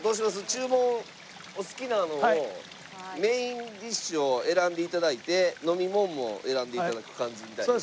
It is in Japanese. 注文お好きなのをメインディッシュを選んでいただいて飲み物も選んでいただく感じみたいです。